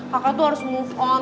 kakak itu harus move on